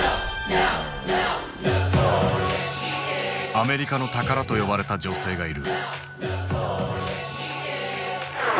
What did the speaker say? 「アメリカの宝」と呼ばれた女性がいる。